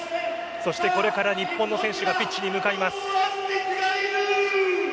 そして、これから日本の選手がピッチに向かいます。